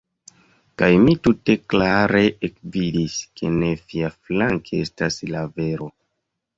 Kaj mi tute klare ekvidis, ke ne viaflanke estas la vero!